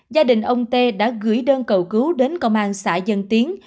gia đình ông tê đã gửi đơn cầu cứu đến công an xã dân tiến